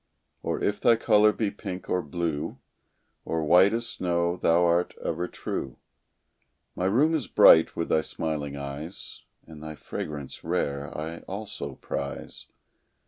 Or if thy color be pink, or blue, Or white as snow, thou art ever true; My room is bright with thy smiling eyes, And thy fragrance rare I also prize.